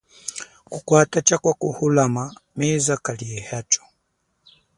Kukwata cha kwa kululama meza kaliehacho?